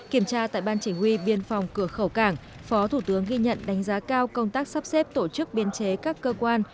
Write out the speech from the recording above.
kiểm tra tại ban chỉ huy biên phòng cửa khẩu cảng phó thủ tướng ghi nhận đánh giá cao công tác sắp xếp tổ chức biên chế các cơ quan